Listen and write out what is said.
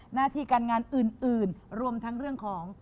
หน้าที่การงานอื่นรวมทั้งเรื่องของ